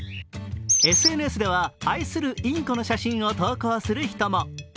ＳＮＳでは愛するインコの写真を投稿する人も。